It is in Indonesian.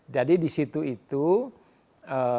jadi di situ itu ada